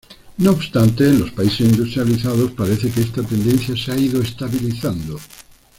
No obstante, en los países industrializados parece que esta tendencia se ha ido estabilizando.